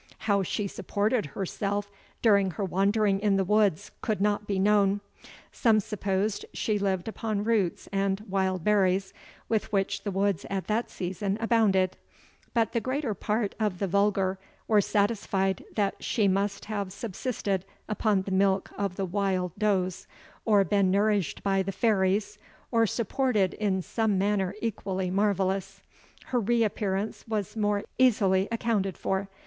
How she supported herself during her wandering in the woods could not be known some supposed she lived upon roots and wild berries, with which the woods at that season abounded; but the greater part of the vulgar were satisfied that she must have subsisted upon the milk of the wild does, or been nourished by the fairies, or supported in some manner equally marvellous. Her re appearance was more easily accounted for.